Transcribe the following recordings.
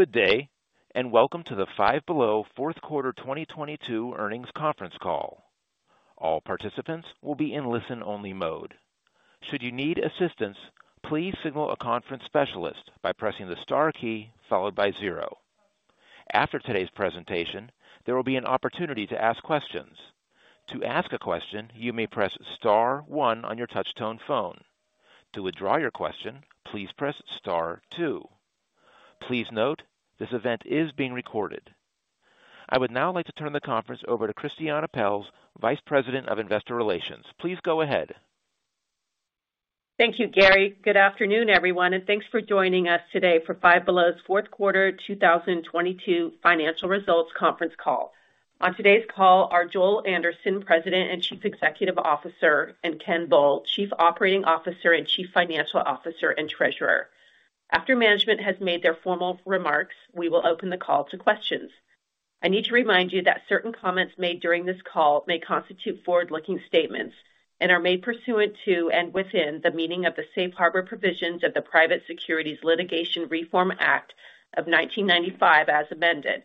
Good day, and welcome to the Five Below Q4 2022 earnings conference call. All participants will be in listen-only mode. Should you need assistance, please signal a conference specialist by pressing the star key followed by zero. After today's presentation, there will be an opportunity to ask questions. To ask a question, you may press star one on your touchtone phone. To withdraw your question, please press star two. Please note, this event is being recorded. I would now like to turn the conference over to Christiane Pelz, Vice President of Investor Relations. Please go ahead. Thank you, Gary. Good afternoon, everyone, and thanks for joining us today for Five Below's Q4 2022 financial results conference call. On today's call are Joel Anderson, President and Chief Executive Officer, and Ken Bull, Chief Operating Officer and Chief Financial Officer and Treasurer. After management has made their formal remarks, we will open the call to questions. I need to remind you that certain comments made during this call may constitute forward-looking statements and are made pursuant to, and within, the meaning of the safe harbor provisions of the Private Securities Litigation Reform Act of 1995, as amended.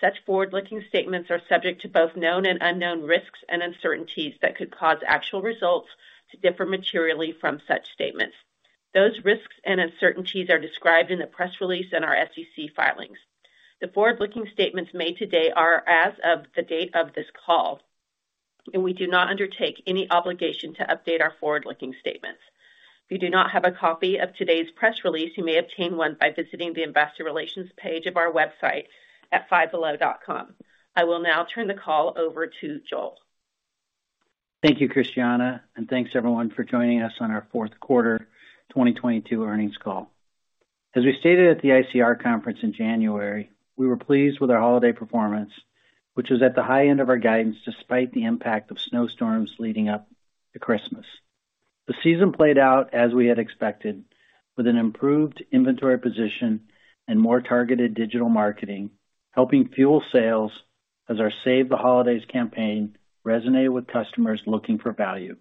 Such forward-looking statements are subject to both known and unknown risks and uncertainties that could cause actual results to differ materially from such statements. Those risks and uncertainties are described in the press release and our SEC filings. The forward-looking statements made today are as of the date of this call, and we do not undertake any obligation to update our forward-looking statements. If you do not have a copy of today's press release, you may obtain one by visiting the investor relations page of our website at fivebelow.com. I will now turn the call over to Joel. Thank you, Christiane. Thanks everyone for joining us on our Q4 2022 earnings call. As we stated at the ICR Conference in January, we were pleased with our holiday performance, which was at the high end of our guidance despite the impact of snowstorms leading up to Christmas. The season played out as we had expected, with an improved inventory position and more targeted digital marketing, helping fuel sales as our Save the Holidays campaign resonated with customers looking for value.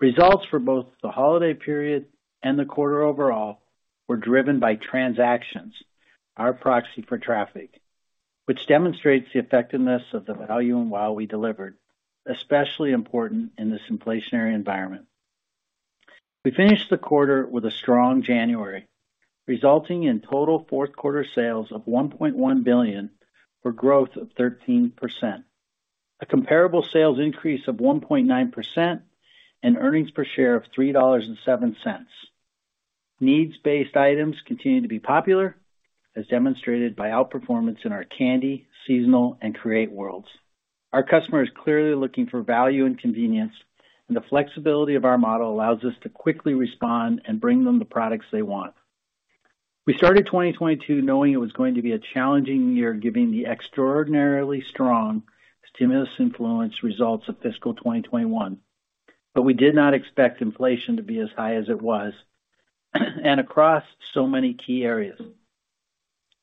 Results for both the holiday period and the quarter overall were driven by transactions, our proxy for traffic, which demonstrates the effectiveness of the value and while we delivered, especially important in this inflationary environment. We finished the quarter with a strong January, resulting in total Q4 sales of $1.1 billion for growth of 13%. A comparable sales increase of 1.9% and earnings per share of $3.07. Needs-based items continue to be popular, as demonstrated by outperformance in our candy, seasonal, and create worlds. Our customer is clearly looking for value and convenience, and the flexibility of our model allows us to quickly respond and bring them the products they want. We started 2022 knowing it was going to be a challenging year, giving the extraordinarily strong stimulus influence results of fiscal 2021. We did not expect inflation to be as high as it was and across so many key areas.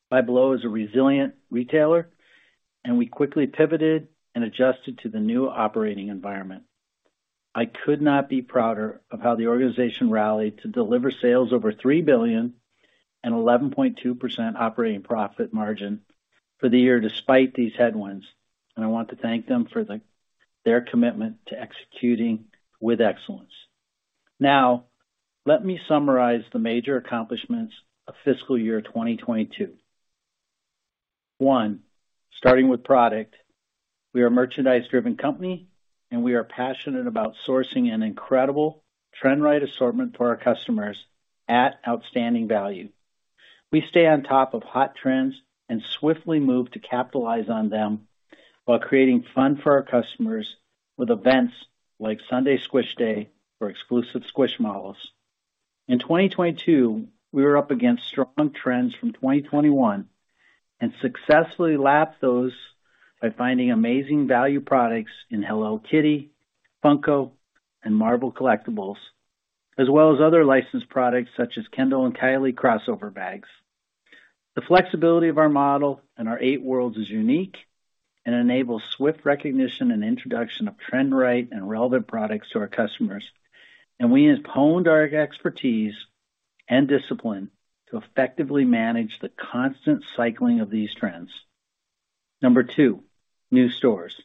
Five Below is a resilient retailer, and we quickly pivoted and adjusted to the new operating environment. I could not be prouder of how the organization rallied to deliver sales over $3 billion and 11.2% operating profit margin for the year despite these headwinds, I want to thank them for their commitment to executing with excellence. Let me summarize the major accomplishments of fiscal year 2022. One, starting with product. We are a merchandise-driven company, and we are passionate about sourcing an incredible trend right assortment for our customers at outstanding value. We stay on top of hot trends and swiftly move to capitalize on them while creating fun for our customers with events like Sunday Squish Day for exclusive Squishmallows. In 2022, we were up against strong trends from 2021 and successfully lapped those by finding amazing value products in Hello Kitty, Funko, and Marvel collectibles, as well as other licensed products such as Kendall + Kylie crossover bags. The flexibility of our model and our eight worlds is unique and enables swift recognition and introduction of trend right and relevant products to our customers. We have honed our expertise and discipline to effectively manage the constant cycling of these trends. Number two, new stores.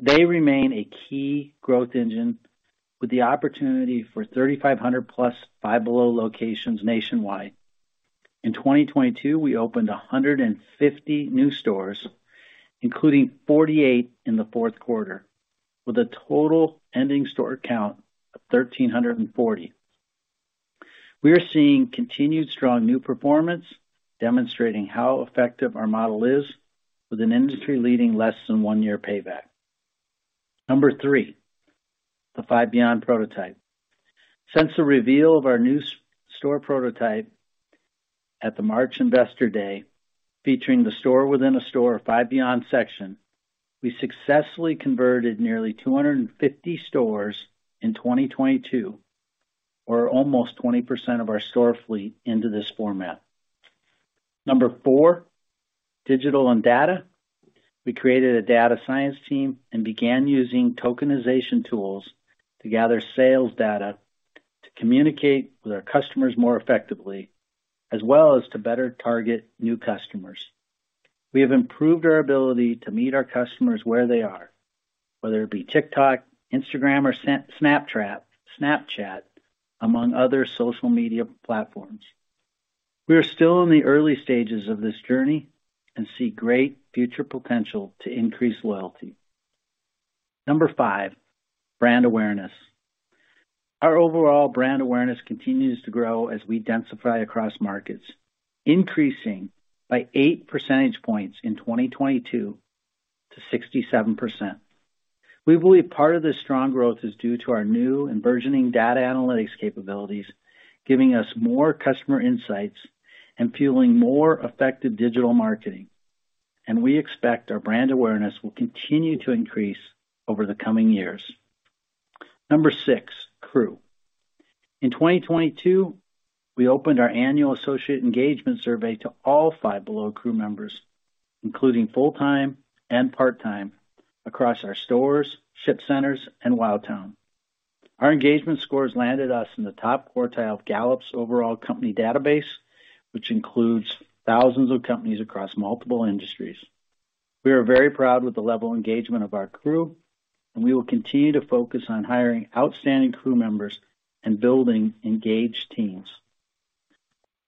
They remain a key growth engine with the opportunity for 3,500 plus Five Below locations nationwide. In 2022, we opened 150 new stores, including 48 in the Q4, with a total ending store count of 1,340. We are seeing continued strong new performance, demonstrating how effective our model is with an industry leading less than one year payback. Number three, the Five Beyond Prototype. Since the reveal of our new store prototype at the March Investor Day, featuring the store within a store Five Beyond section, we successfully converted nearly 250 stores in 2022, or almost 20% of our store fleet into this format. Number four. Digital and data. We created a data science team and began using tokenization tools to gather sales data to communicate with our customers more effectively, as well as to better target new customers. We have improved our ability to meet our customers where they are, whether it be TikTok, Instagram, or Snapchat, among other social media platforms. We are still in the early stages of this journey and see great future potential to increase loyalty. Number five, brand awareness. Our overall brand awareness continues to grow as we densify across markets, increasing by eight percentage points in 2022 to 67%. We believe part of this strong growth is due to our new and burgeoning data analytics capabilities, giving us more customer insights and fueling more effective digital marketing. We expect our brand awareness will continue to increase over the coming years. Number six, crew. In 2022, we opened our annual associate engagement survey to all Five Below crew members, including full-time and part-time, across our stores, ship centers and WOWtown. Our engagement scores landed us in the top quartile of Gallup's overall company database, which includes thousands of companies across multiple industries. We are very proud with the level of engagement of our crew. We will continue to focus on hiring outstanding crew members and building engaged teams.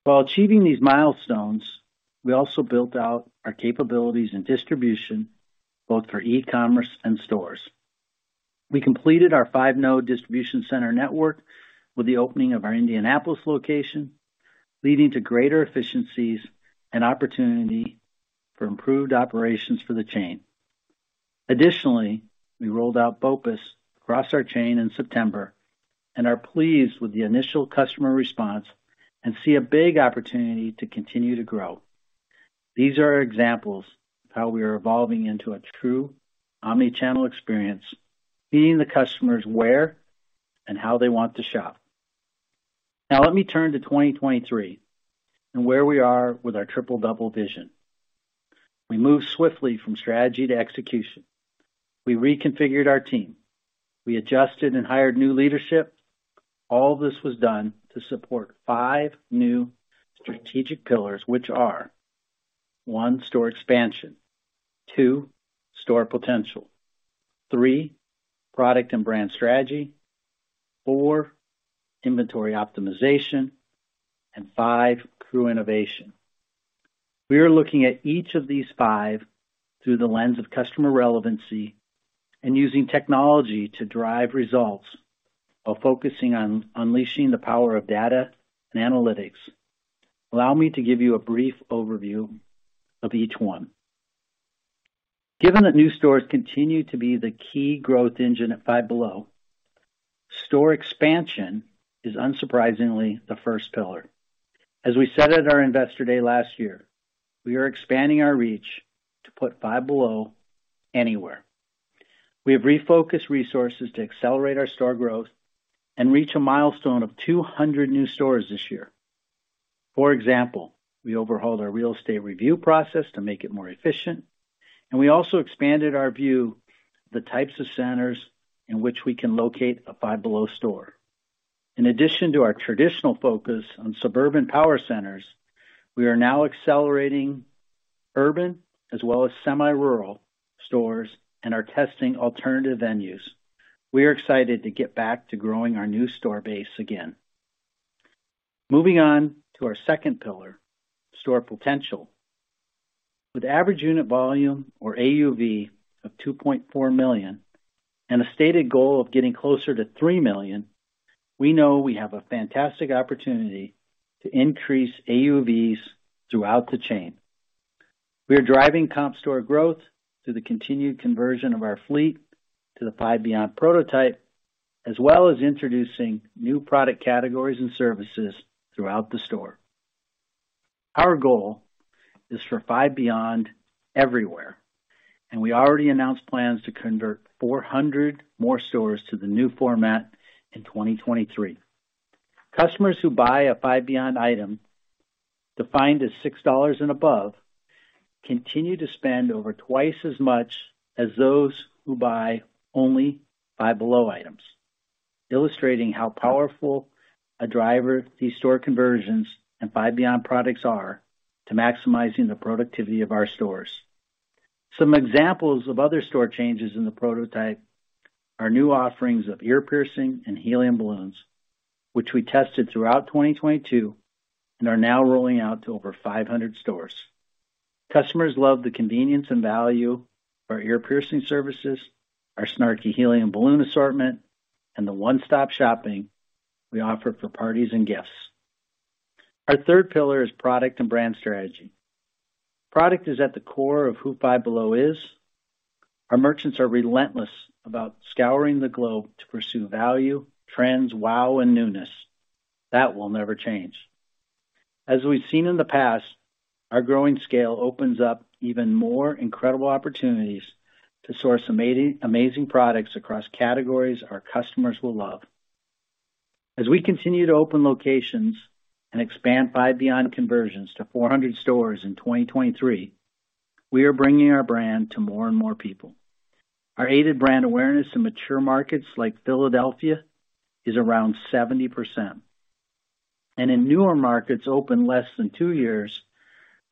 While achieving these milestones, we also built out our capabilities and distribution, both for e-commerce and stores. We completed our five-node distribution center network with the opening of our Indianapolis location, leading to greater efficiencies and opportunity for improved operations for the chain. Additionally, we rolled out BOPUS across our chain in September and are pleased with the initial customer response and see a big opportunity to continue to grow. These are examples of how we are evolving into a true omni-channel experience, meeting the customers where and how they want to shop. Now let me turn to 2023 and where we are with our Triple-Double vision. We moved swiftly from strategy to execution. We reconfigured our team. We adjusted and hired new leadership. All this was done to support five new strategic pillars, which are, one, store expansion, two, store potential, three, product and brand strategy, four, inventory optimization, and five, crew innovation. We are looking at each of these five through the lens of customer relevancy and using technology to drive results while focusing on unleashing the power of data and analytics. Allow me to give you a brief overview of each one. Given that new stores continue to be the key growth engine at Five Below, store expansion is unsurprisingly the first pillar. As we said at our investor day last year, we are expanding our reach to put Five Below anywhere. We have refocused resources to accelerate our store growth and reach a milestone of 200 new stores this year. For example, we overhauled our real estate review process to make it more efficient, and we also expanded our view of the types of centers in which we can locate a Five Below store. In addition to our traditional focus on suburban power centers, we are now accelerating urban as well as semi-rural stores and are testing alternative venues. We are excited to get back to growing our new store base again. Moving on to our second pillar, store potential. With average unit volume or AUV of $2.4 million and a stated goal of getting closer to $3 million, we know we have a fantastic opportunity to increase AUVs throughout the chain. We are driving comp store growth through the continued conversion of our fleet to the Five Beyond prototype, as well as introducing new product categories and services throughout the store. Our goal is for Five Beyond everywhere. We already announced plans to convert 400 more stores to the new format in 2023. Customers who buy a Five Beyond item, defined as $6 and above, continue to spend over twice as much as those who buy only Five Below items. Illustrating how powerful a driver these store conversions and Five Beyond products are to maximizing the productivity of our stores. Some examples of other store changes in the prototype are new offerings of ear piercing and helium balloons, which we tested throughout 2022 and are now rolling out to over 500 stores. Customers love the convenience and value of our ear piercing services, our snarky helium balloon assortment, and the one-stop shopping we offer for parties and gifts. Our third pillar is product and brand strategy. Product is at the core of who Five Below is. Our merchants are relentless about scouring the globe to pursue value, trends, wow, and newness. That will never change. As we've seen in the past, our growing scale opens up even more incredible opportunities to source amazing products across categories our customers will love. As we continue to open locations and expand Five Beyond conversions to 400 stores in 2023, we are bringing our brand to more and more people. Our aided brand awareness in mature markets like Philadelphia is around 70%. In newer markets opened less than two years,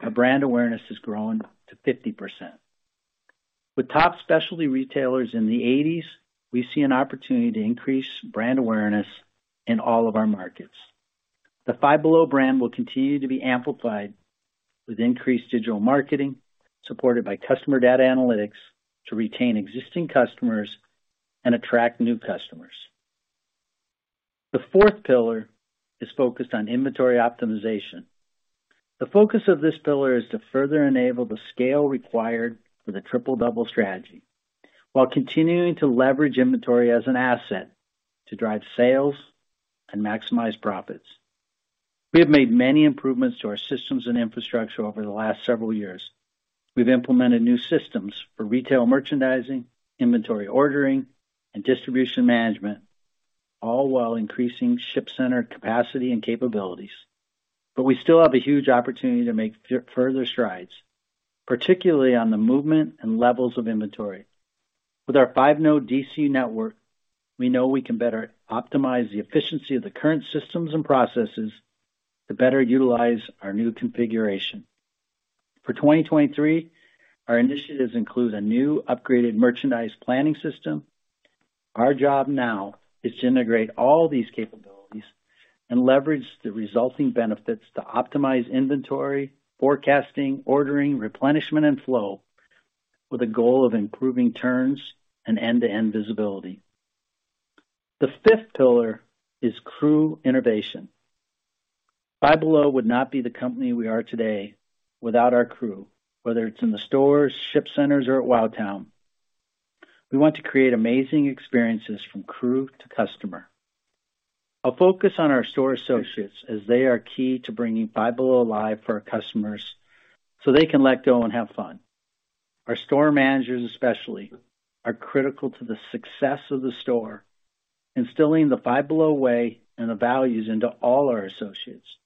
our brand awareness has grown to 50%. With top specialty retailers in the eighties, we see an opportunity to increase brand awareness in all of our markets. The Five Below brand will continue to be amplified with increased digital marketing, supported by customer data analytics to retain existing customers and attract new customers. The fourth pillar is focused on inventory optimization. The focus of this pillar is to further enable the scale required for the Triple-Double strategy, while continuing to leverage inventory as an asset to drive sales and maximize profits. We have made many improvements to our systems and infrastructure over the last several years. We've implemented new systems for retail merchandising, inventory ordering, and distribution management, all while increasing ship center capacity and capabilities. We still have a huge opportunity to make further strides, particularly on the movement and levels of inventory. With our five-node DC network, we know we can better optimize the efficiency of the current systems and processes to better utilize our new configuration. For 2023, our initiatives include a new upgraded merchandise planning system. Our job now is to integrate all these capabilities and leverage the resulting benefits to optimize inventory, forecasting, ordering, replenishment, and flow with a goal of improving turns and end-to-end visibility. The fifth pillar is crew innovation. Five Below would not be the company we are today without our crew, whether it's in the stores, ship centers or at Wowtown. We want to create amazing experiences from crew to customer. I'll focus on our store associates as they are key to bringing Five Below alive for our customers, so they can let go and have fun. Our store managers especially, are critical to the success of the store, instilling the Five Below way and the values into all our associates.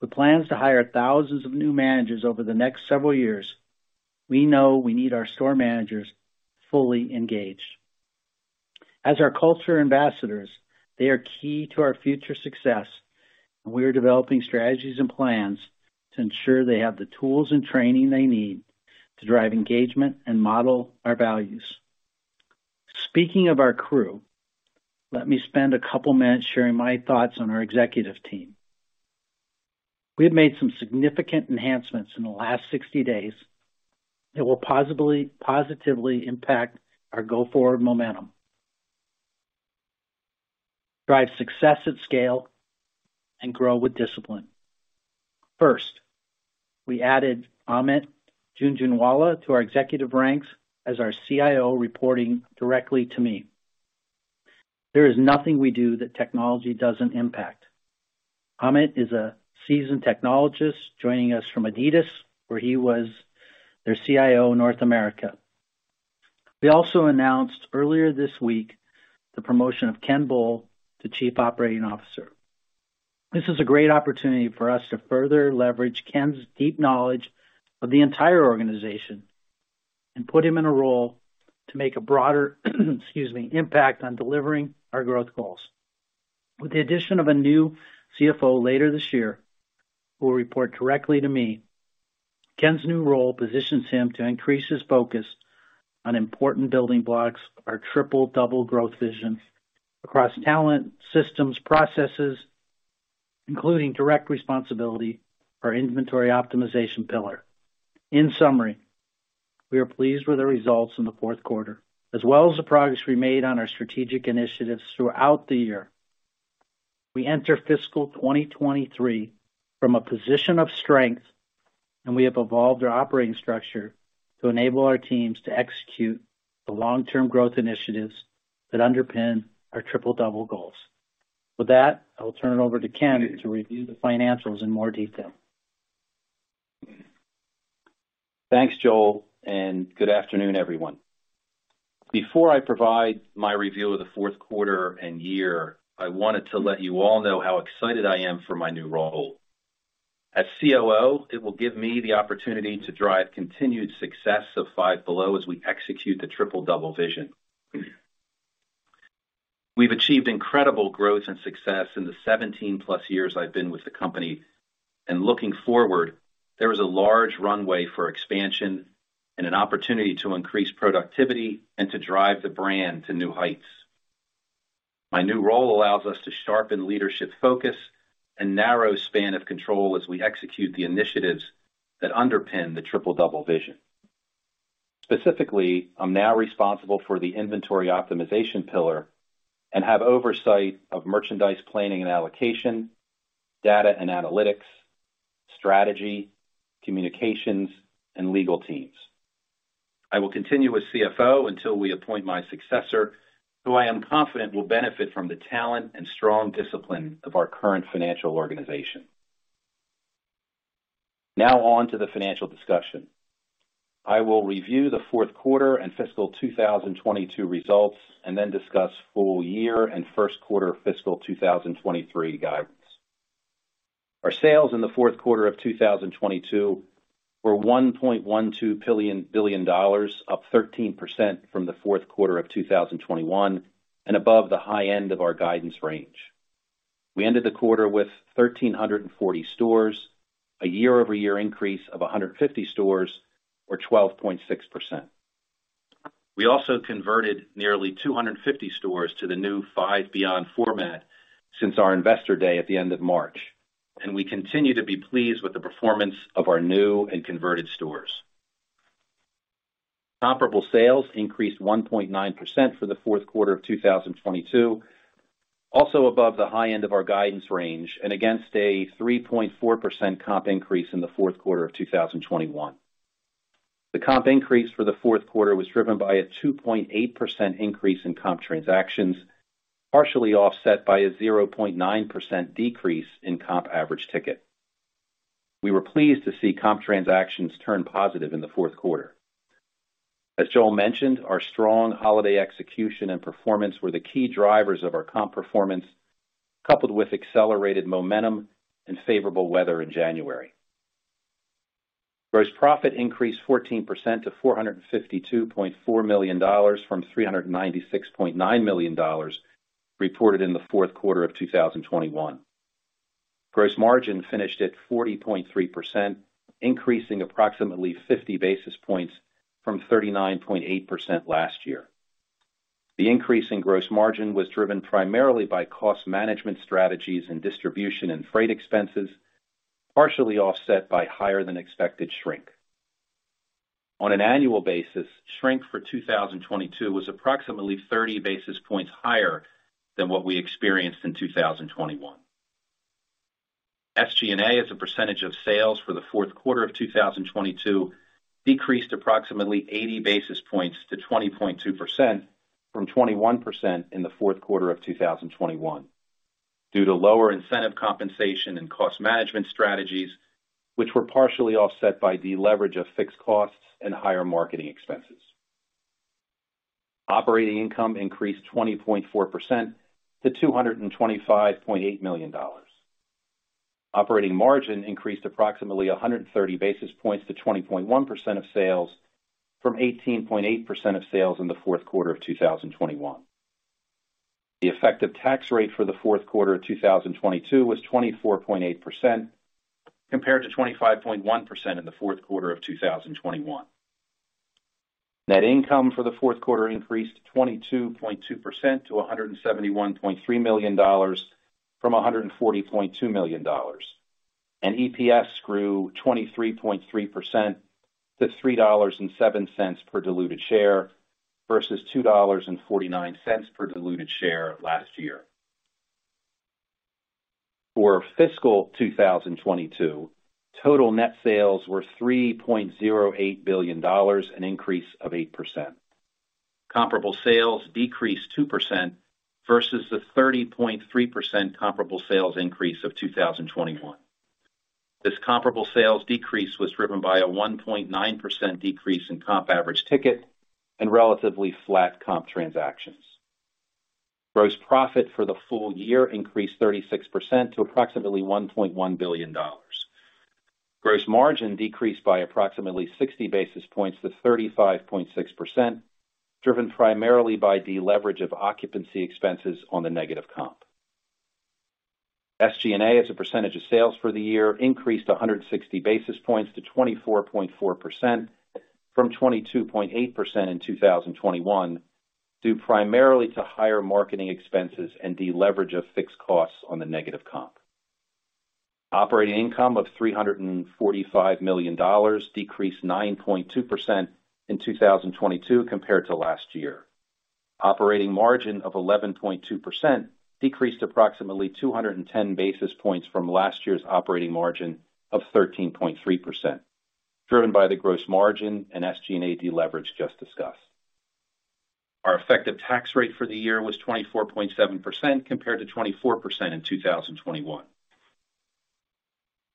With plans to hire thousands of new managers over the next several years, we know we need our store managers fully engaged. As our culture ambassadors, they are key to our future success. We are developing strategies and plans to ensure they have the tools and training they need to drive engagement and model our values. Speaking of our crew, let me spend a couple minutes sharing my thoughts on our executive team. We have made some significant enhancements in the last 60 days that will positively impact our go-forward momentum, drive success at scale, and grow with discipline. We added Amit Jhunjhunwala to our executive ranks as our CIO, reporting directly to me. There is nothing we do that technology doesn't impact. Amit is a seasoned technologist, joining us from Adidas, where he was their CIO, North America. We also announced earlier this week, the promotion of Ken Bull to Chief Operating Officer. This is a great opportunity for us to further leverage Ken's deep knowledge of the entire organization and put him in a role to make a broader, excuse me, impact on delivering our growth goals. With the addition of a new CFO later this year, who will report directly to me, Ken's new role positions him to increase his focus on important building blocks, our Triple-Double growth vision across talent, systems, processes, including direct responsibility for our inventory optimization pillar. In summary, we are pleased with the results in the Q4, as well as the progress we made on our strategic initiatives throughout the year. We enter fiscal 2023 from a position of strength. We have evolved our operating structure to enable our teams to execute the long-term growth initiatives that underpin our Triple-Double goals. With that, I will turn it over to Ken to review the financials in more detail. Thanks, Joel, and good afternoon, everyone. Before I provide my review of the Q4 and year, I wanted to let you all know how excited I am for my new role. As COO, it will give me the opportunity to drive continued success of Five Below as we execute the Triple-Double vision. We've achieved incredible growth and success in the 17+ years I've been with the company, and looking forward, there is a large runway for expansion and an opportunity to increase productivity and to drive the brand to new heights. My new role allows us to sharpen leadership focus and narrow span of control as we execute the initiatives that underpin the Triple-Double vision. Specifically, I'm now responsible for the inventory optimization pillar and have oversight of merchandise planning and allocation, data and analytics, strategy, communications, and legal teams. I will continue as CFO until we appoint my successor, who I am confident will benefit from the talent and strong discipline of our current financial organization. On to the financial discussion. I will review the Q4 and fiscal 2022 results and then discuss full year and Q1 fiscal 2023 guidance. Our sales in the Q4 of 2022 were $1.12 billion, up 13% from the Q4 of 2021 and above the high end of our guidance range. We ended the quarter with 1,340 stores, a year-over-year increase of 150 stores, or 12.6%. We also converted nearly 250 stores to the new Five Beyond format since our investor day at the end of March. We continue to be pleased with the performance of our new and converted stores. Comparable sales increased 1.9% for the Q4 of 2022, also above the high end of our guidance range and against a 3.4% comp increase in the Q4 of 2021. The comp increase for the Q4 was driven by a 2.8% increase in comp transactions, partially offset by a 0.9% decrease in comp average ticket. We were pleased to see comp transactions turn positive in the Q4. As Joel mentioned, our strong holiday execution and performance were the key drivers of our comp performance, coupled with accelerated momentum and favorable weather in January. Gross profit increased 14% to $452.4 million from $396.9 million reported in the Q4 of 2021. Gross margin finished at 40.3%, increasing approximately 50 basis points from 39.8% last year. The increase in gross margin was driven primarily by cost management strategies and distribution and freight expenses, partially offset by higher than expected shrink. On an annual basis, shrink for 2022 was approximately 30 basis points higher than what we experienced in 2021. SG&A, as a percentage of sales for the Q4 of 2022 decreased approximately 80 basis points to 20.2% from 21% in the Q4 of 2021 due to lower incentive compensation and cost management strategies, which were partially offset by deleverage of fixed costs and higher marketing expenses. Operating income increased 20.4% to $225.8 million. Operating margin increased approximately 130 basis points to 20.1% of sales from 18.8% of sales in the Q4 of 2021. The effective tax rate for the Q4 of 2022 was 24.8%, compared to 25.1% in the Q4 of 2021. Net income for the Q4 increased 22.2% to $171.3 million from $140.2 million, and EPS grew 23.3% to $3.07 per diluted share versus $2.49 per diluted share last year. For fiscal 2022, total net sales were $3.08 billion, an increase of 8%. Comparable sales decreased 2% versus the 30.3% comparable sales increase of 2021. This comparable sales decrease was driven by a 1.9% decrease in comp average ticket and relatively flat comp transactions. Gross profit for the full year increased 36% to approximately $1.1 billion. Gross margin decreased by approximately 60 basis points to 35.6%, driven primarily by deleverage of occupancy expenses on the negative comp. SG&A, as a percentage of sales for the year, increased 160 basis points to 24.4% from 22.8% in 2021, due primarily to higher marketing expenses and deleverage of fixed costs on the negative comp. Operating income of $345 million decreased 9.2% in 2022 compared to last year. Operating margin of 11.2% decreased approximately 210 basis points from last year's operating margin of 13.3%, driven by the gross margin and SG&A deleverage just discussed. Our effective tax rate for the year was 24.7%, compared to 24% in 2021.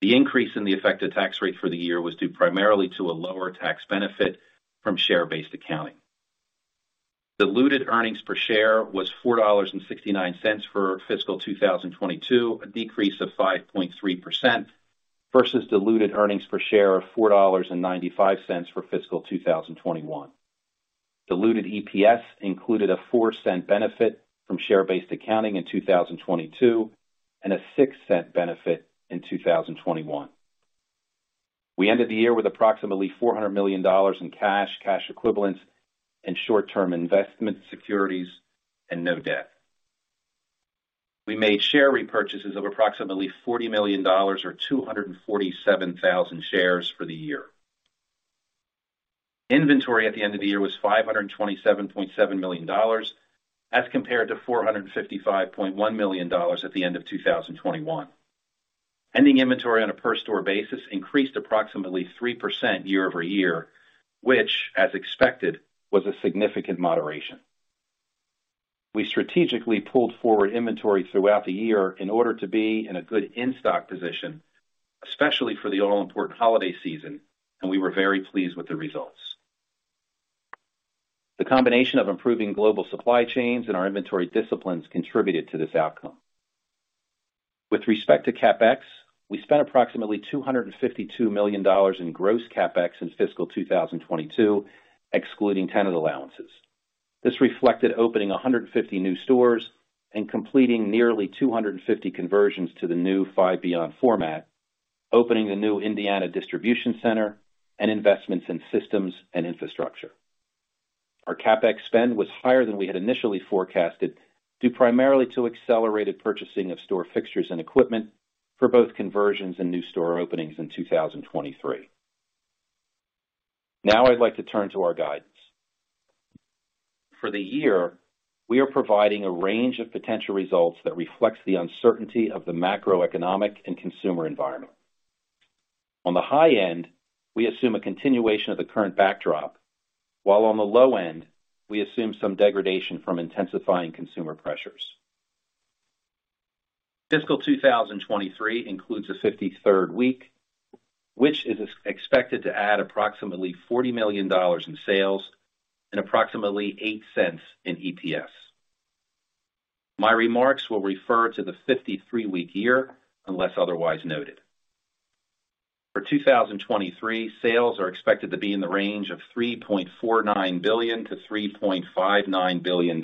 The increase in the effective tax rate for the year was due primarily to a lower tax benefit from share-based accounting. Diluted earnings per share was $4.69 for fiscal 2022, a decrease of 5.3% versus diluted earnings per share of $4.95 for fiscal 2021. Diluted EPS included a $0.04 benefit from share-based accounting in 2022 and a $0.06 benefit in 2021. We ended the year with approximately $400 million in cash equivalents, and short-term investment securities and no debt. We made share repurchases of approximately $40 million or 247,000 shares for the year. Inventory at the end of the year was $527.7 million as compared to $455.1 million at the end of 2021. Ending inventory on a per store basis increased approximately 3% year-over-year, which, as expected, was a significant moderation. We strategically pulled forward inventory throughout the year in order to be in a good in-stock position, especially for the all important holiday season, and we were very pleased with the results. The combination of improving global supply chains and our inventory disciplines contributed to this outcome. With respect to CapEx, we spent approximately $252 million in gross CapEx in fiscal 2022, excluding tenant allowances. This reflected opening 150 new stores and completing nearly 250 conversions to the new Five Beyond format, opening the new Indiana distribution center and investments in systems and infrastructure. Our CapEx spend was higher than we had initially forecasted, due primarily to accelerated purchasing of store fixtures and equipment for both conversions and new store openings in 2023. I'd like to turn to our guidance. For the year, we are providing a range of potential results that reflects the uncertainty of the macroeconomic and consumer environment. On the high end, we assume a continuation of the current backdrop, while on the low end we assume some degradation from intensifying consumer pressures. Fiscal 2023 includes a 53rd week, which is expected to add approximately $40 million in sales and approximately $0.08 in EPS. My remarks will refer to the 53-week year unless otherwise noted. For 2023, sales are expected to be in the range of $3.49 billion-$3.59 billion,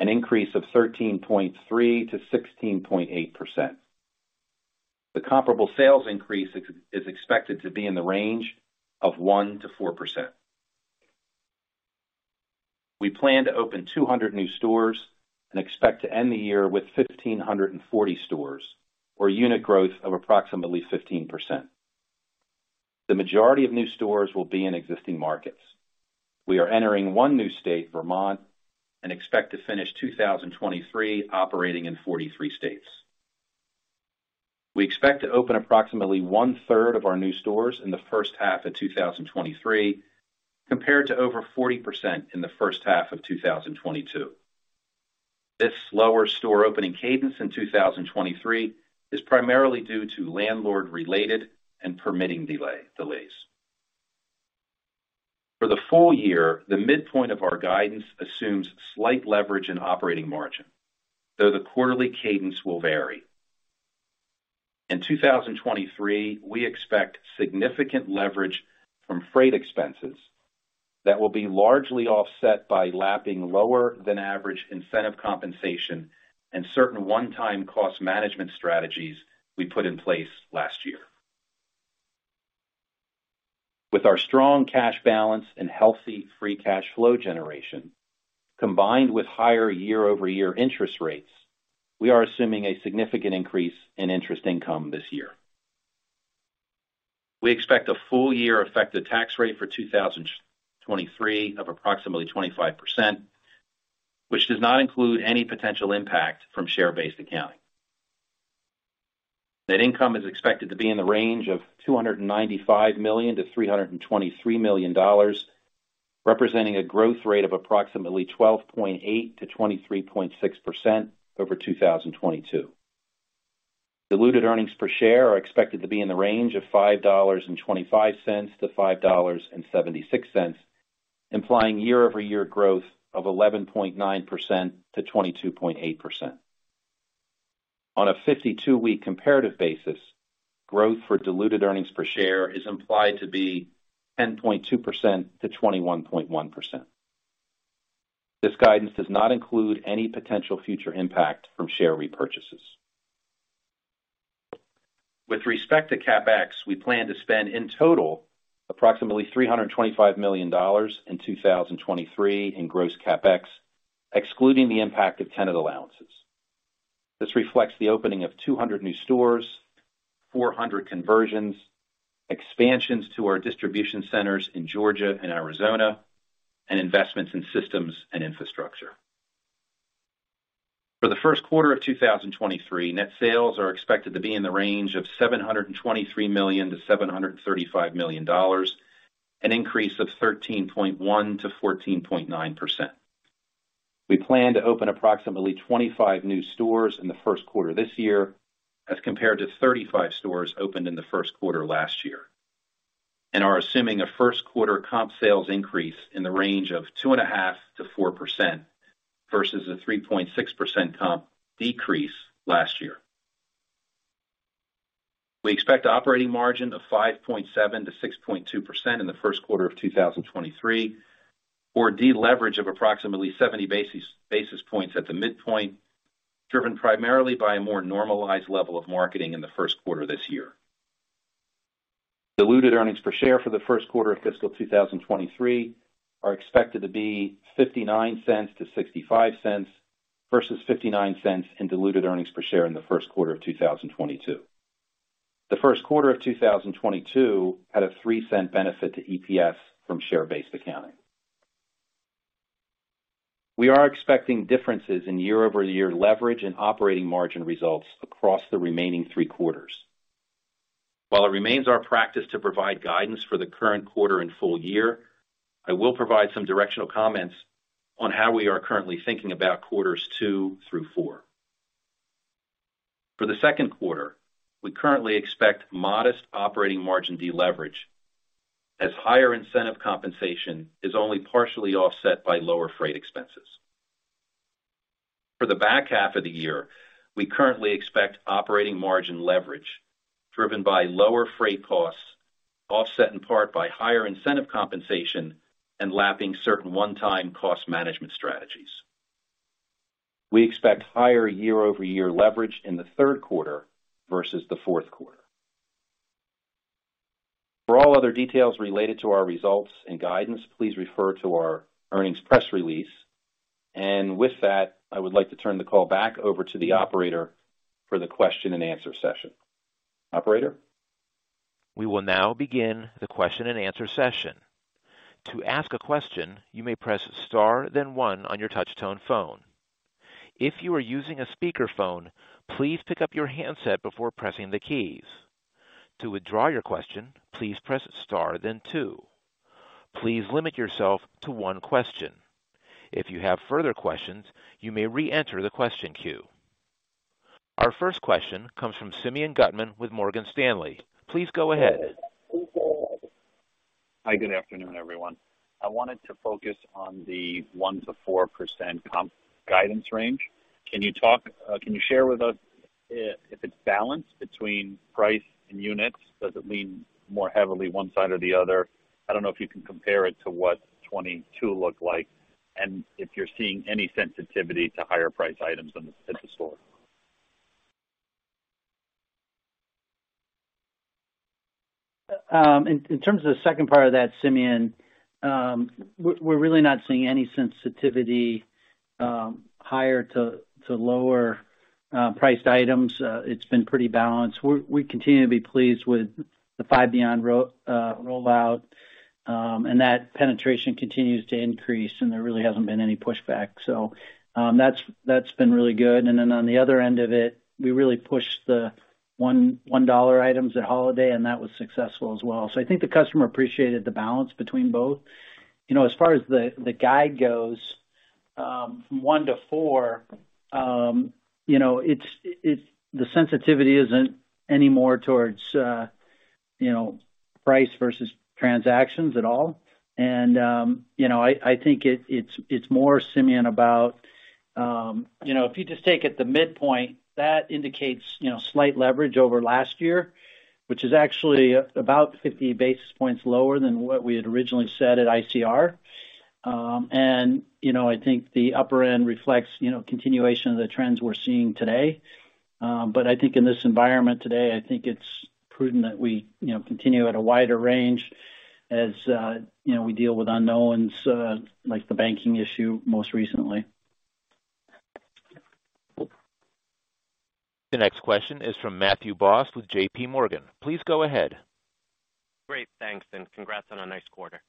an increase of 13.3%-16.8%. The comparable sales increase is expected to be in the range of 1%-4%. We plan to open 200 new stores and expect to end the year with 1,540 stores, or unit growth of approximately 15%. The majority of new stores will be in existing markets. We are entering one new state, Vermont, and expect to finish 2023 operating in 43 states. We expect to open approximately one-third of our new stores in the first half of 2023, compared to over 40% in the first half of 2022. This lower store opening cadence in 2023 is primarily due to landlord related and permitting delays. For the full year, the midpoint of our guidance assumes slight leverage in operating margin, though the quarterly cadence will vary. In 2023, we expect significant leverage from freight expenses that will be largely offset by lapping lower than average incentive compensation and certain one time cost management strategies we put in place last year. With our strong cash balance and healthy free cash flow generation, combined with higher year-over-year interest rates, we are assuming a significant increase in interest income this year. We expect a full year effective tax rate for 2023 of approximately 25%, which does not include any potential impact from share based accounting. Net income is expected to be in the range of $295 million-$323 million, representing a growth rate of approximately 12.8%-23.6% over 2022. Diluted earnings per share are expected to be in the range of $5.25-$5.76, implying year-over-year growth of 11.9%-22.8%. On a 52-week comparative basis, growth for diluted earnings per share is implied to be 10.2%-21.1%. This guidance does not include any potential future impact from share repurchases. With respect to CapEx, we plan to spend in total approximately $325 million in 2023 in gross CapEx, excluding the impact of tenant allowances. This reflects the opening of 200 new stores, 400 conversions, expansions to our distribution centers in Georgia and Arizona, and investments in systems and infrastructure. For the Q1 of 2023, net sales are expected to be in the range of $723 million-$735 million, an increase of 13.1%-14.9%. We plan to open approximately 25 new stores in the Q1 this year as compared to 35 stores opened in the Q1 last year and are assuming a Q1 comp sales increase in the range of 2.5%-4% versus a 3.6% comp decrease last year. We expect operating margin of 5.7%-6.2% in the Q1 of 2023, or deleverage of approximately 70 basis points at the midpoint, driven primarily by a more normalized level of marketing in the Q1 this year. Diluted earnings per share for the Q1 of fiscal 2023 are expected to be $0.59-$0.65 versus $0.59 in diluted earnings per share in the Q1 of 2022. The Q1 of 2022 had a $0.03 benefit to EPS from share-based accounting. We are expecting differences in year-over-year leverage and operating margin results across the remaining three quarters. While it remains our practice to provide guidance for the current quarter and full year, I will provide some directional comments on how we are currently thinking about quarters two through four. For the Q2, we currently expect modest operating margin deleverage as higher incentive compensation is only partially offset by lower freight expenses. For the back half of the year, we currently expect operating margin leverage driven by lower freight costs, offset in part by higher incentive compensation and lapping certain one-time cost management strategies. We expect higher year-over-year leverage in the Q3 versus the Q4. For all other details related to our results and guidance, please refer to our earnings press release. With that, I would like to turn the call back over to the operator for the question and answer session. Operator? We will now begin the question and answer session. To ask a question, you may press Star then one on your touch-tone phone. If you are using a speakerphone, please pick up your handset before pressing the keys. To withdraw your question, please press Star then two. Please limit yourself to one question. If you have further questions, you may re-enter the question queue. Our first question comes from Simeon Gutman with Morgan Stanley. Please go ahead. Hi, good afternoon, everyone. I wanted to focus on the 1%-4% comp guidance range. Can you share with us if it's balanced between price and units? Does it lean more heavily one side or the other? I don't know if you can compare it to what 2022 looked like, and if you're seeing any sensitivity to higher price items at the store. In terms of the second part of that, Simeon, we're really not seeing any sensitivity, higher to lower priced items. It's been pretty balanced. We continue to be pleased with the Five Beyond rollout, and that penetration continues to increase, and there really hasn't been any pushback. That's been really good. On the other end of it, we really pushed the $1 items at holiday, and that was successful as well. I think the customer appreciated the balance between both. You know, as far as the guide goes, from one to four, you know, the sensitivity isn't any more towards, you know, price versus transactions at all. You know, I think it's, it's more, Simeon, about, you know, if you just take it the midpoint, that indicates, you know, slight leverage over last year, which is actually about 50 basis points lower than what we had originally said at ICR. you know, I think the upper end reflects, you know, continuation of the trends we're seeing today. I think in this environment today, I think it's prudent that we, you know, continue at a wider range as, you know, we deal with unknowns, like the banking issue most recently. The next question is from Matthew Boss with JPMorgan. Please go ahead. Great. Thanks, and congrats on a nice quarter.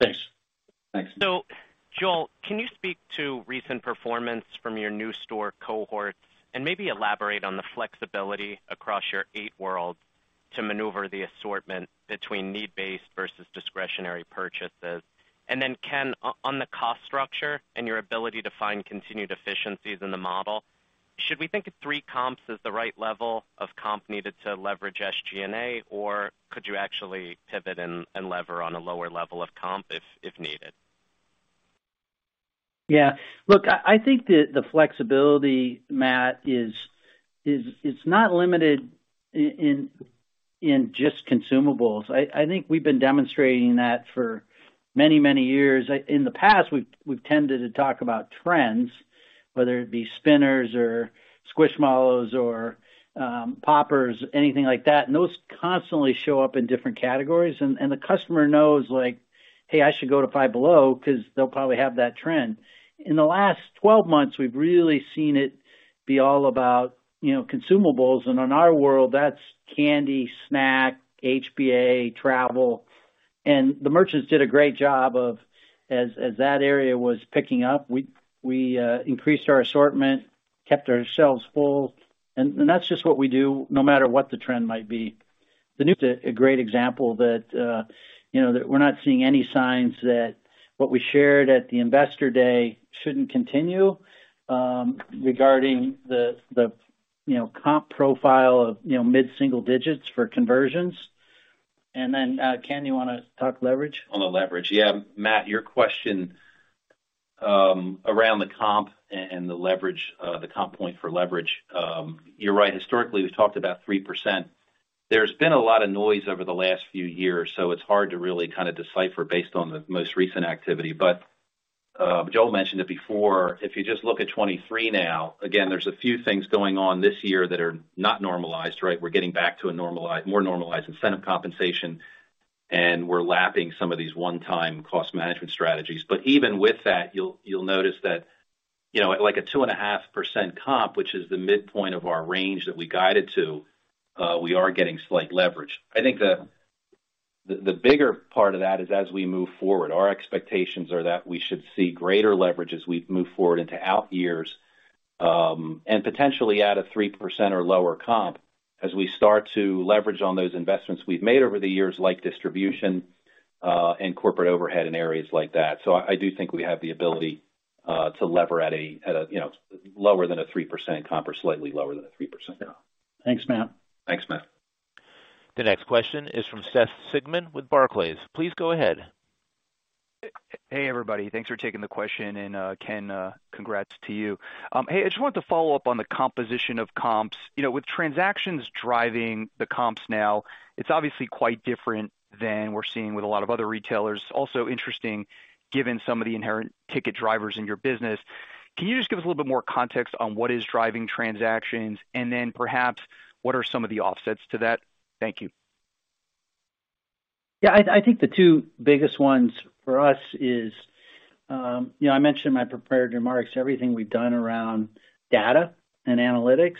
Thanks. Thanks. Joel, can you speak to recent performance from your new store cohorts and maybe elaborate on the flexibility across your eight worlds to maneuver the assortment between need-based versus discretionary purchases? Ken, on the cost structure and your ability to find continued efficiencies in the model, should we think of 3 comps as the right level of comp needed to leverage SG&A, or could you actually pivot and lever on a lower level of comp if needed? Yeah. Look, I think the flexibility, Matt, is not limited in just consumables. I think we've been demonstrating that for many, many years. In the past, we've tended to talk about trends, whether it be spinners or Squishmallows or poppers, anything like that, and those constantly show up in different categories. The customer knows, like, "Hey, I should go to Five Below because they'll probably have that trend." In the last 12 months, we've really seen it be all about, you know, consumables. In our world, that's candy, snack, HBA, travel. The merchants did a great job As that area was picking up, we increased our assortment, kept our shelves full. That's just what we do no matter what the trend might be. The new is a great example that, you know, that we're not seeing any signs that what we shared at the Investor Day shouldn't continue, regarding the, you know, comp profile of, you know, mid-single digits for conversions. Ken, you wanna talk leverage? On the leverage. Yeah. Matt, your question, around the comp and the leverage, the comp point for leverage, you're right. Historically, we've talked about 3%. There's been a lot of noise over the last few years. It's hard to really kind of decipher based on the most recent activity. Joel mentioned it before, if you just look at 2023 now, again, there's a few things going on this year that are not normalized, right? We're getting back to a more normalized incentive compensation. We're lapping some of these one-time cost management strategies. Even with that, you'll notice that, you know, at like a 2.5% comp, which is the midpoint of our range that we guided to, we are getting slight leverage. I think the. The bigger part of that is as we move forward, our expectations are that we should see greater leverage as we move forward into out years, and potentially at a 3% or lower comp as we start to leverage on those investments we've made over the years, like distribution, and corporate overhead in areas like that. I do think we have the ability, to lever at a, at a, you know, lower than a 3% comp or slightly lower than a 3% comp. Yeah. Thanks, Matt. Thanks, Matt. The next question is from Seth Sigman with Barclays. Please go ahead. Hey, everybody. Thanks for taking the question. Ken Bull, congrats to you. Hey, I just wanted to follow up on the composition of comps. You know, with transactions driving the comps now, it's obviously quite different than we're seeing with a lot of other retailers. Also interesting, given some of the inherent ticket drivers in your business. Can you just give us a little bit more context on what is driving transactions, and then perhaps what are some of the offsets to that? Thank you. Yeah, I think the two biggest ones for us is, you know, I mentioned in my prepared remarks everything we've done around data and analytics.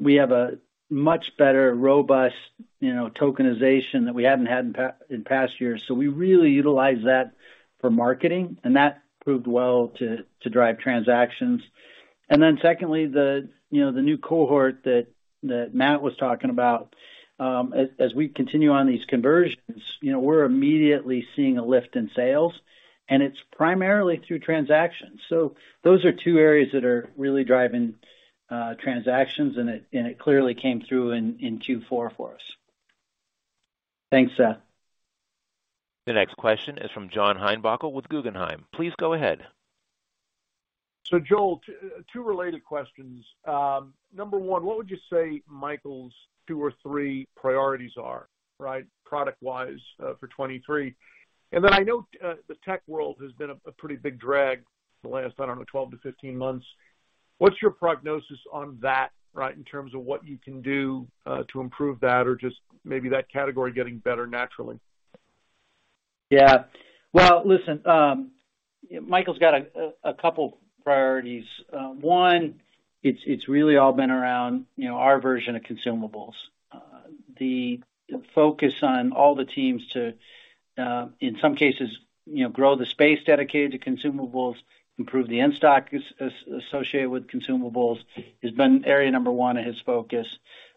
We have a much better robust, you know, tokenization that we hadn't had in past years. We really utilize that for marketing, and that proved well to drive transactions. Secondly, the, you know, the new cohort that Matt was talking about. As we continue on these conversions, you know, we're immediately seeing a lift in sales, and it's primarily through transactions. Those are two areas that are really driving transactions, and it clearly came through in Q4 for us. Thanks, Seth. The next question is from John Heinbockel with Guggenheim. Please go ahead. Joel, two related questions. Number one, what would you say Michael's two or three priorities are, right, product-wise, for 2023? I know the tech world has been a pretty big drag for the last, I don't know, 12 to 15 months. What's your prognosis on that, right, in terms of what you can do to improve that or just maybe that category getting better naturally? Well, listen, Michael's got a couple priorities. One, it's really all been around, you know, our version of consumables. The focus on all the teams to, in some cases, you know, grow the space dedicated to consumables, improve the in-stock associated with consumables, has been area number one of his focus.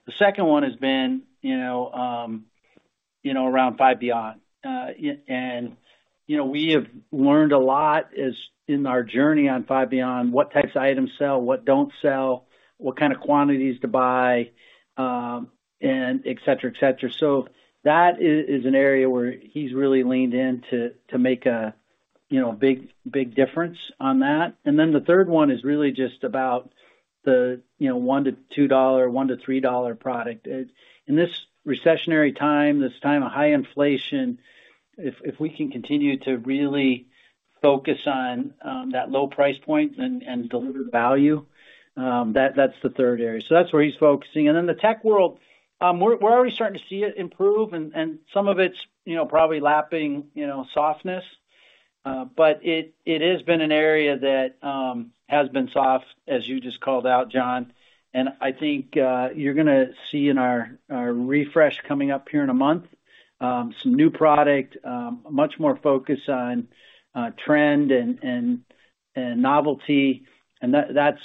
The second one has been, you know, around Five Beyond. You know, we have learned a lot in our journey on Five Beyond, what types of items sell, what don't sell, what kind of quantities to buy, and et cetera, et cetera. That is an area where he's really leaned in to make a, you know, big difference on that. Then the third one is really just about the, you know, $1-$2, $1-$3 product. In this recessionary time, this time of high inflation, if we can continue to really focus on that low price point and deliver value, that's the third area. That's where he's focusing. Then the tech world, we're already starting to see it improve and some of it's, you know, probably lapping, you know, softness. But it has been an area that has been soft, as you just called out, John. I think you're gonna see in our refresh coming up here in a month, some new product, much more focus on trend and novelty. That's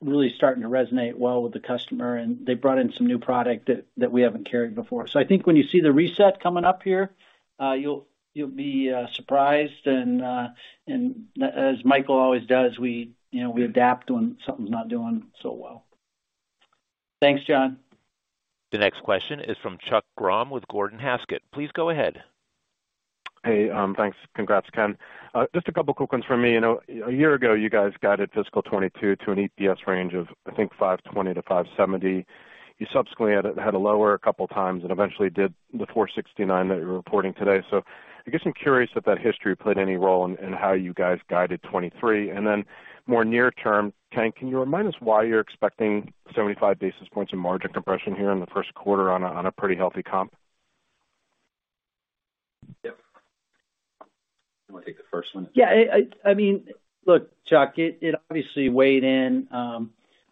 really starting to resonate well with the customer, and they brought in some new product that we haven't carried before. I think when you see the reset coming up here, you'll be surprised. As Michael always does, we, you know, we adapt when something's not doing so well. Thanks, John. The next question is from Chuck Grom with Gordon Haskett. Please go ahead. Hey, thanks. Congrats, Ken. Just a couple quick ones from me. You know, a year ago, you guys guided fiscal 2022 to an EPS range of, I think, $5.20-$5.70. You subsequently had to lower a couple times and eventually did the $4.69 that you're reporting today. I guess I'm curious if that history played any role in how you guys guided 2023. More near term, Ken, can you remind us why you're expecting 75 basis points of margin compression here in the Q1 on a, on a pretty healthy comp? Yep. You wanna take the first one? I mean, look, Chuck, it obviously weighed in.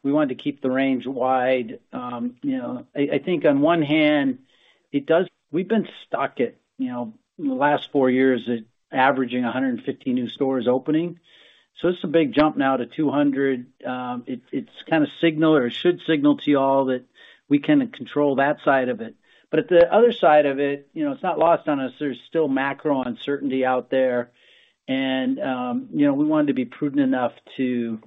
We wanted to keep the range wide. You know, I think on one hand, it does. We've been stuck at, you know, in the last four years averaging 150 new stores opening. It's a big jump now to 200. It's kinda signal or it should signal to you all that we can control that side of it. The other side of it, you know, it's not lost on us, there's still macro uncertainty out there. You know, we wanted to be prudent enough to,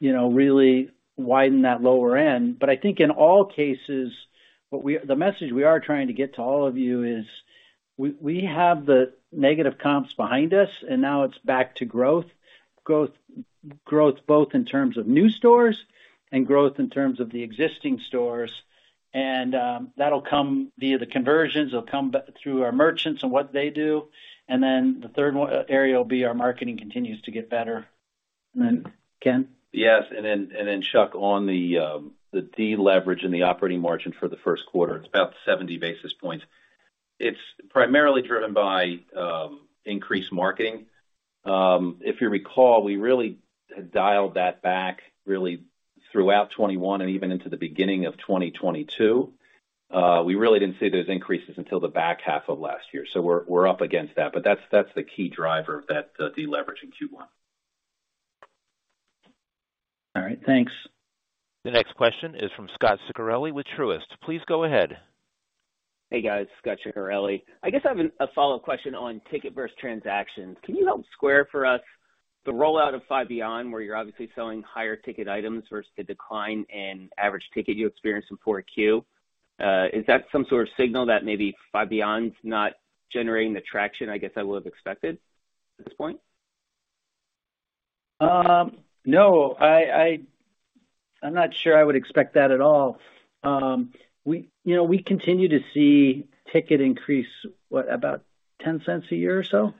you know, really widen that lower end. I think in all cases, what the message we are trying to get to all of you is we have the negative comps behind us. Now it's back to growth, growth both in terms of new stores and growth in terms of the existing stores. That'll come via the conversions. It'll come through our merchants and what they do. The third area will be our marketing continues to get better. Ken? Yes. Chuck, on the deleverage in the operating margin for the Q1, it's about 70 basis points. It's primarily driven by increased marketing... If you recall, we really had dialed that back really throughout 2021 and even into the beginning of 2022. We really didn't see those increases until the back half of last year. We're up against that. That's the key driver of that deleveraging in Q1. All right. Thanks. The next question is from Scot Ciccarelli with Truist. Please go ahead. Hey, guys. Scot Ciccarelli. I guess I have a follow question on ticket burst transactions. Can you help square for us the rollout of Five Beyond, where you're obviously selling higher ticket items versus the decline in average ticket you experienced in Q4? Is that some sort of signal that maybe Five Beyond's not generating the traction, I guess, I would have expected at this point? No. I'm not sure I would expect that at all. We, you know, we continue to see ticket increase, what, about $0.10 a year or so?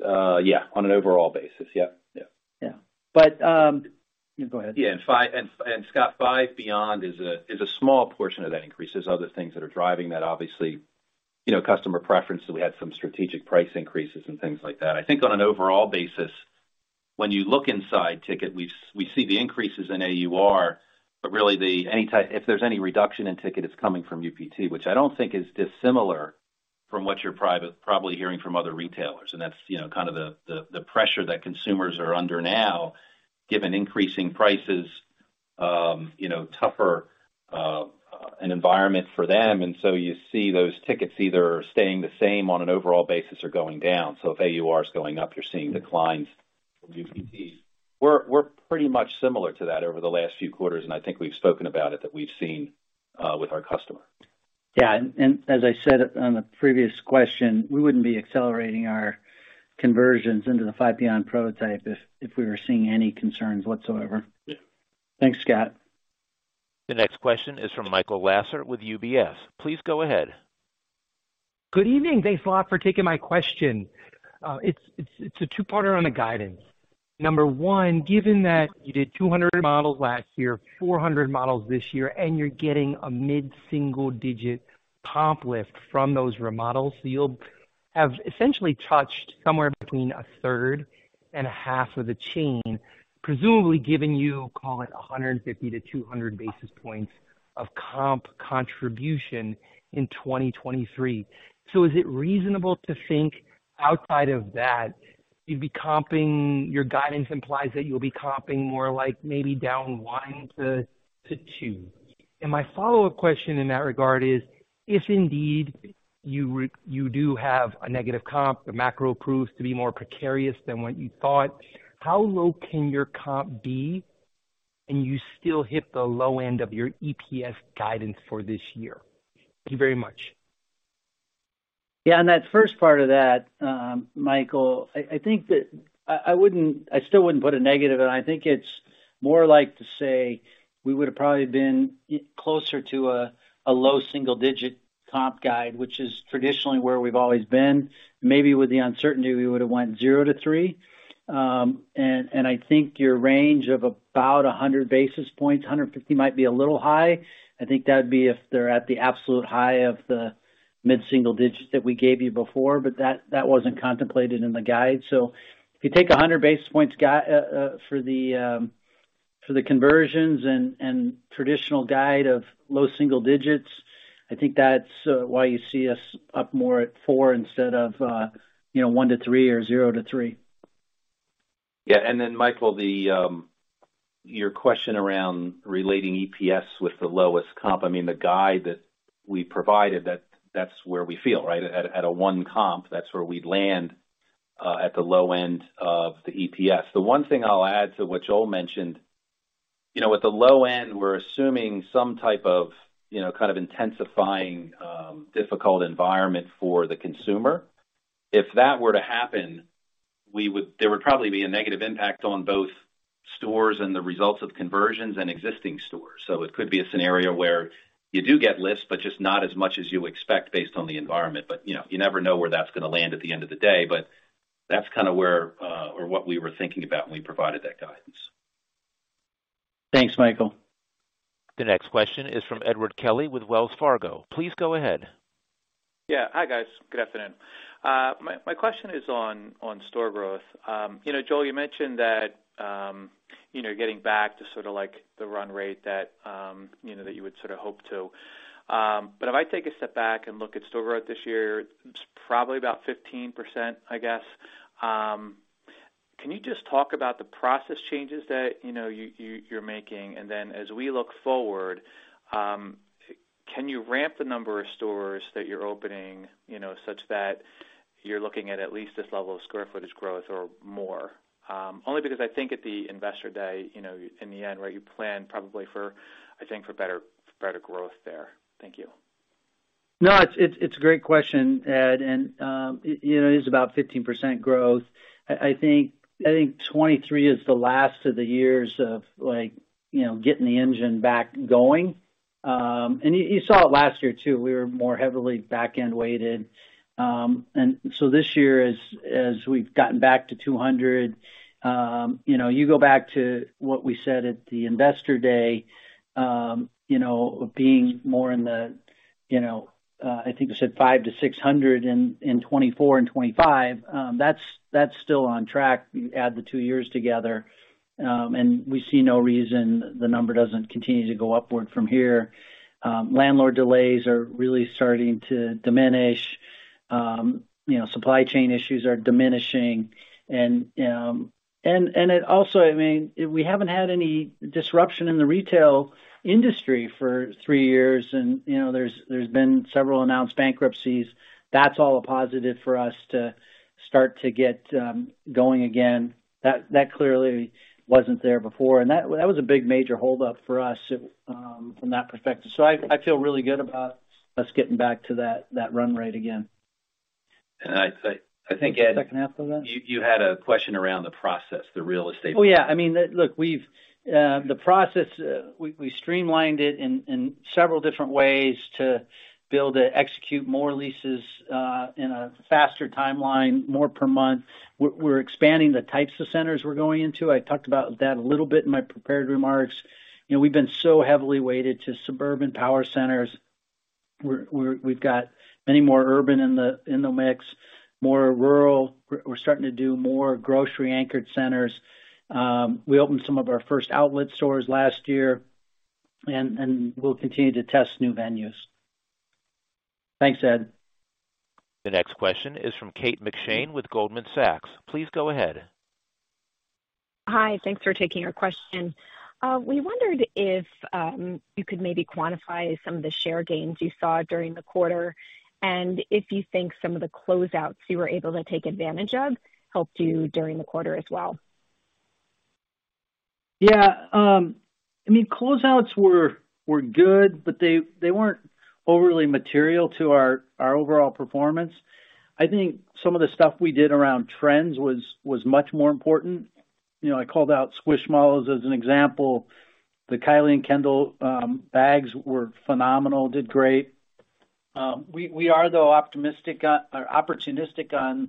Yeah, on an overall basis. Yeah. Yeah. Yeah, go ahead. Yeah. Scot, Five Beyond is a small portion of that increase. There's other things that are driving that, obviously. You know, customer preference that we had some strategic price increases and things like that. I think on an overall basis, when you look inside ticket, we see the increases in AUR, but really if there's any reduction in ticket, it's coming from UPT, which I don't think is dissimilar from what you're probably hearing from other retailers. That's, you know, kind of the pressure that consumers are under now, given increasing prices, you know, tougher an environment for them. You see those tickets either staying the same on an overall basis or going down. If AUR is going up, you're seeing declines from UPT. We're pretty much similar to that over the last few quarters, and I think we've spoken about it, that we've seen with our customer. Yeah. As I said on the previous question, we wouldn't be accelerating our conversions into the Five Beyond prototype if we were seeing any concerns whatsoever. Yeah. Thanks, Scot. The next question is from Michael Lasser with UBS. Please go ahead. Good evening. Thanks a lot for taking my question. It's a two-parter on the guidance. Number one, given that you did 200 remodels last year, 400 models this year, and you're getting a mid-single digit comp lift from those remodels, so you'll have essentially touched somewhere between a third and a half of the chain, presumably giving you, call it, 150 to 200 basis points of comp contribution in 2023. Is it reasonable to think outside of that, you'd be comping, your guidance implies that you'll be comping more like maybe down 1% to 2%? My follow-up question in that regard is, if indeed you do have a negative comp, the macro proves to be more precarious than what you thought, how low can your comp be, and you still hit the low end of your EPS guidance for this year? Thank you very much. Yeah. On that first part of that, Michael, I think that I still wouldn't put a negative. I think it's more like to say we would have probably been closer to a low single digit comp guide, which is traditionally where we've always been. Maybe with the uncertainty, we would have went zero to three. I think your range of about 100 basis points, 150 might be a little high. I think that'd be if they're at the absolute high of the mid-single digits that we gave you before, but that wasn't contemplated in the guide. If you take 100 basis points for the for the conversions and traditional guide of low single digits, I think that's why you see us up more at four instead of, you know, one to three or zero to three. Yeah. Michael, the your question around relating EPS with the lowest comp, I mean, the guide that we provided that's where we feel, right? At a, at a 1 comp, that's where we'd land at the low end of the EPS. The one thing I'll add to what Joel mentioned, you know, at the low end, we're assuming some type of, you know, kind of intensifying difficult environment for the consumer. If that were to happen, there would probably be a negative impact on both stores and the results of conversions and existing stores. It could be a scenario where you do get lists, but just not as much as you expect based on the environment. You know, you never know where that's gonna land at the end of the day, but that's kinda where, or what we were thinking about when we provided that guidance. Thanks, Michael. The next question is from Edward Kelly with Wells Fargo. Please go ahead. Yeah. Hi, guys. Good afternoon. My question is on store growth. You know, Joel, you mentioned that, you know, getting back to sort of like the run rate that, you know, that you would sort of hope to. If I take a step back and look at store growth this year, it's probably about 15%, I guess. Can you just talk about the process changes that, you know, you're making? As we look forward, can you ramp the number of stores that you're opening, you know, such that you're looking at at least this level of square footage growth or more? Because I think at the investor day, you know, in the end, where you plan probably for, I think for better, for better growth there. Thank you. No, it's a great question, Ed. You know, it is about 15% growth. I think 2023 is the last of the years of like, you know, getting the engine back going. You saw it last year too. We were more heavily back-end weighted. So this year as we've gotten back to 200, you know, you go back to what we said at the investor day, you know, being more in the, you know, I think you said 500-600 in 2024 and 2025, that's still on track. You add the two years together, and we see no reason the number doesn't continue to go upward from here. Landlord delays are really starting to diminish. You know, supply chain issues are diminishing and it also... I mean, we haven't had any disruption in the retail industry for three years and, you know, there's been several announced bankruptcies. That's all a positive for us to start to get going again. That clearly wasn't there before. That was a big major hold up for us from that perspective. I feel really good about us getting back to that run rate again. I think, Ed The second half of that. You had a question around the process, the real estate. Oh, yeah. I mean, look, we've, the process, we streamlined it in several different ways to be able to execute more leases in a faster timeline, more per month. We're expanding the types of centers we're going into. I talked about that a little bit in my prepared remarks. You know, we've been so heavily weighted to suburban power centers. We've got many more urban in the mix, more rural. We're starting to do more grocery anchored centers. We opened some of our first outlet stores last year, and we'll continue to test new venues. Thanks, Ed. The next question is from Kate McShane with Goldman Sachs. Please go ahead. Hi. Thanks for taking our question. We wondered if you could maybe quantify some of the share gains you saw during the quarter, and if you think some of the closeouts you were able to take advantage of helped you during the quarter as well. Yeah, I mean, closeouts were good, but they weren't overly material to our overall performance. I think some of the stuff we did around trends was much more important. You know, I called out Squishmallows as an example. The Kylie and Kendall bags were phenomenal, did great. We are, though, optimistic or opportunistic on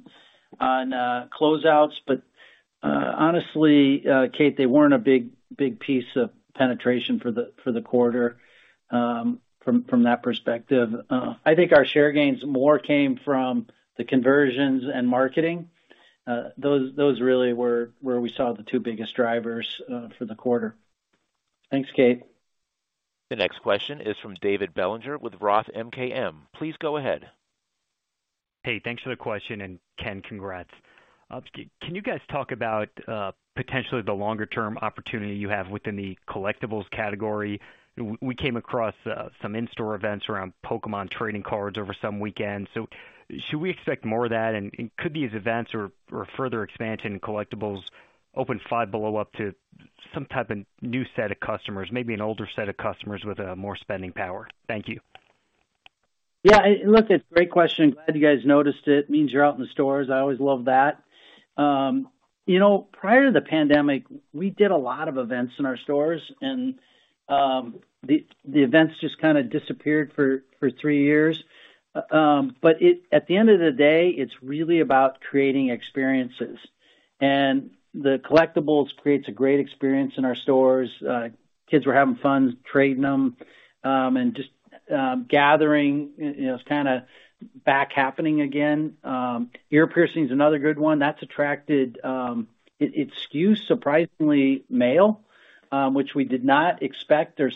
closeouts. Honestly, Kate, they weren't a big piece of penetration for the quarter from that perspective. I think our share gains more came from the conversions and marketing. Those really were where we saw the two biggest drivers for the quarter. Thanks, Kate. The next question is from David Bellinger with Roth MKM. Please go ahead. Hey, thanks for the question, and Ken, congrats. Can you guys talk about potentially the longer term opportunity you have within the collectibles category? We came across some in-store events around Pokémon trading cards over some weekends. Should we expect more of that? Could these events or further expansion in collectibles open Five Below up to some type of new set of customers, maybe an older set of customers with more spending power? Thank you. Yeah, look, it's a great question. Glad you guys noticed it. Means you're out in the stores. I always love that. You know, prior to the pandemic, we did a lot of events in our stores. The events just kind of disappeared for three years. At the end of the day, it's really about creating experiences. The collectibles creates a great experience in our stores. Kids were having fun trading them, just gathering. It's kind of back happening again. Ear piercing is another good one that's attracted. It skews surprisingly male, which we did not expect or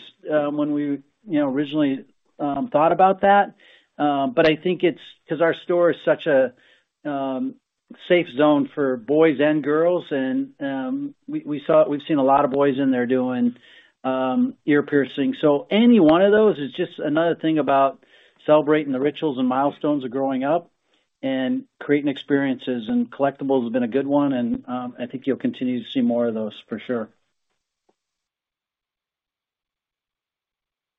when we, you know, originally, thought about that. I think it's because our store is such a safe zone for boys and girls. We've seen a lot of boys in there doing ear piercing. Any one of those is just another thing about celebrating the rituals and milestones of growing up and creating experiences. Collectibles have been a good one, and I think you'll continue to see more of those for sure.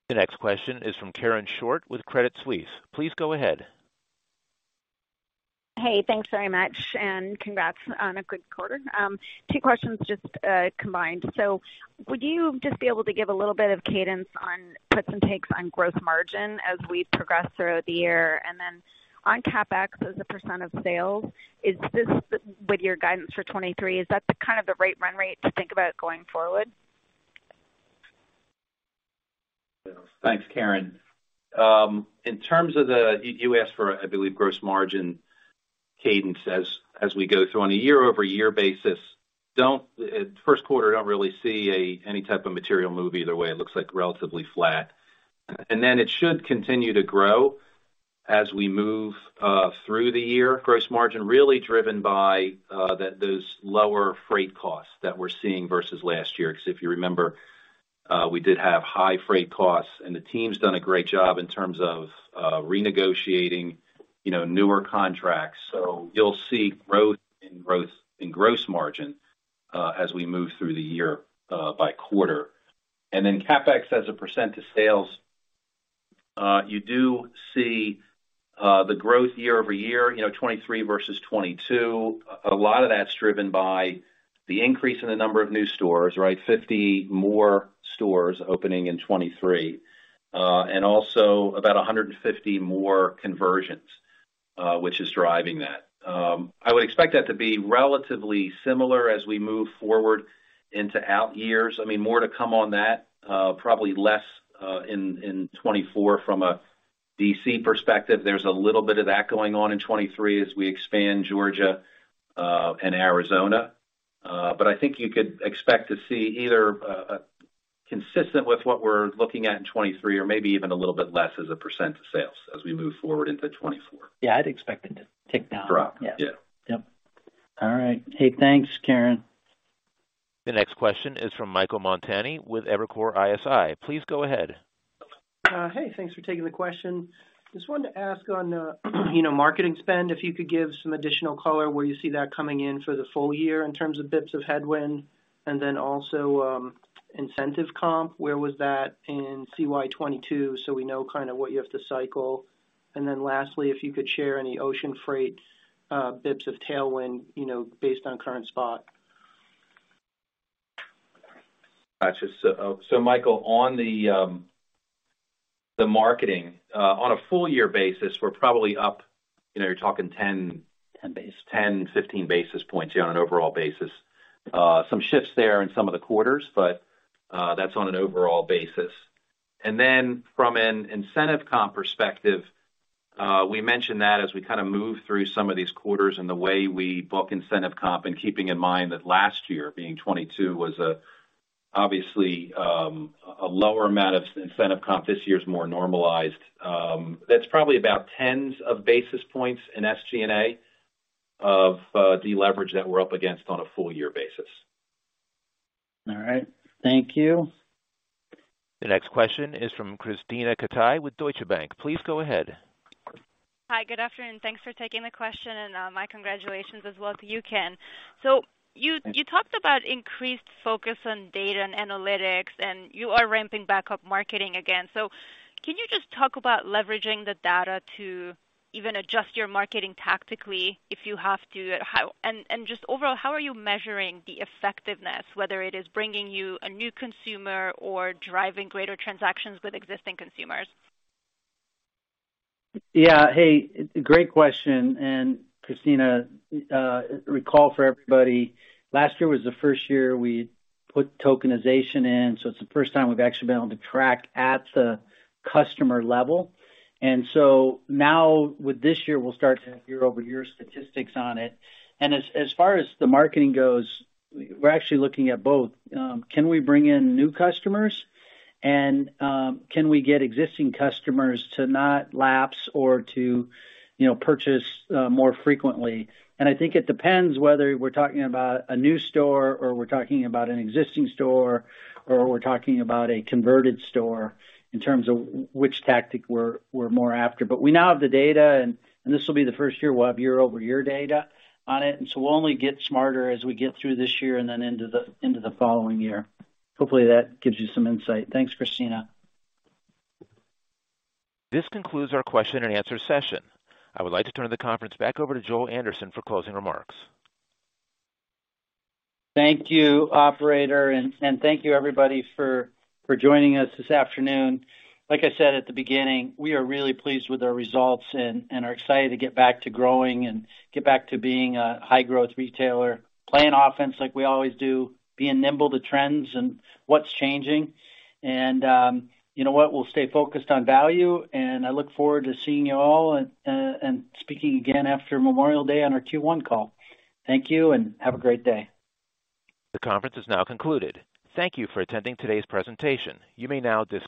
The next question is from Karen Short with Credit Suisse. Please go ahead. Hey, thanks very much, and congrats on a good quarter. Two questions just combined. Would you just be able to give a little bit of cadence on puts and takes on gross margin as we progress throughout the year? On CapEx, as a % of sales, is this with your guidance for 23, is that the kind of the rate, run rate to think about going forward? Thanks, Karen. In terms of You, you asked for, I believe, gross margin cadence as we go through on a year-over-year basis. Q1, don't really see any type of material move either way. It looks like relatively flat. It should continue to grow as we move through the year. Gross margin really driven by those lower freight costs that we're seeing versus last year, because if you remember, we did have high freight costs. The team's done a great job in terms of renegotiating, you know, newer contracts. You'll see growth in gross margin as we move through the year by quarter. CapEx as a percent to sales. You do see the growth year-over-year, you know, 23 versus 22. A lot of that's driven by the increase in the number of new stores, right? 50 more stores opening in 2023, also about 150 more conversions, which is driving that. I would expect that to be relatively similar as we move forward into out years. I mean, more to come on that, probably less in 2024 from a DC perspective. There's a little bit of that going on in 2023 as we expand Georgia, and Arizona. I think you could expect to see either consistent with what we're looking at in 2023 or maybe even a little bit less as a percent of sales as we move forward into 2024. Yeah, I'd expect it to tick down. Drop. Yeah. Yeah. Yep. All right. Hey, thanks, Karen. The next question is from Michael Montani with Evercore ISI. Please go ahead. Hey, thanks for taking the question. Just wanted to ask on, you know, marketing spend, if you could give some additional color where you see that coming in for the full year in terms of bits of headwind and then also, incentive comp, where was that in CY 2022 so we know kind of what you have to cycle. Lastly, if you could share any ocean freight, bits of tailwind, you know, based on current spot. Gotcha. Michael, on the marketing, on a full year basis, we're probably up, you know, you're talking. 10 base.... 10, 15 basis points on an overall basis. Some shifts there in some of the quarters, but that's on an overall basis. From an incentive comp perspective, we mentioned that as we kinda move through some of these quarters and the way we book incentive comp and keeping in mind that last year, being 2022, was obviously a lower amount of incentive comp. This year is more normalized. That's probably about tens of basis points in SG&A of the leverage that we're up against on a full year basis. All right. Thank you. The next question is from Krisztina Katai with Deutsche Bank. Please go ahead. Hi, good afternoon. Thanks for taking the question. My congratulations as well to you, Ken. You talked about increased focus on data and analytics, and you are ramping back up marketing again. Can you just talk about leveraging the data to even adjust your marketing tactically if you have to? Just overall, how are you measuring the effectiveness, whether it is bringing you a new consumer or driving greater transactions with existing consumers? Yeah. Hey, great question. Krisztina, recall for everybody, last year was the first year we put tokenization in, so it's the first time we've actually been able to track at the customer level. Now with this year, we'll start to have year-over-year statistics on it. As far as the marketing goes, we're actually looking at both, can we bring in new customers and, can we get existing customers to not lapse or to, you know, purchase more frequently. I think it depends whether we're talking about a new store or we're talking about an existing store or we're talking about a converted store in terms of which tactic we're more after. We now have the data and this will be the first year we'll have year-over-year data on it, and so we'll only get smarter as we get through this year and then into the following year. Hopefully, that gives you some insight. Thanks, Krisztina. This concludes our question and answer session. I would like to turn the conference back over to Joel Anderson for closing remarks. Thank you, operator, and thank you everybody for joining us this afternoon. Like I said at the beginning, we are really pleased with our results and are excited to get back to growing and get back to being a high growth retailer, playing offense like we always do, being nimble to trends and what's changing. You know what? We'll stay focused on value, and I look forward to seeing you all and speaking again after Memorial Day on our Q1 call. Thank you and have a great day. The conference is now concluded. Thank you for attending today's presentation. You may now disconnect.